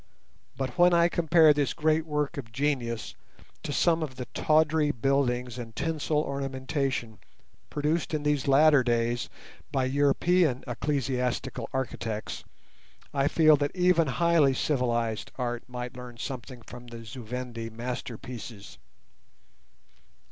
But when I compare this great work of genius to some of the tawdry buildings and tinsel ornamentation produced in these latter days by European ecclesiastical architects, I feel that even highly civilized art might learn something from the Zu Vendi masterpieces.